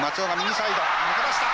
抜けました。